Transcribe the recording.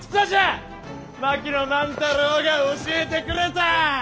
槙野万太郎が教えてくれた！